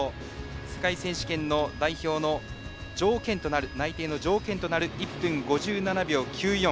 世界選手権の代表内定の条件となる１分５７秒９４。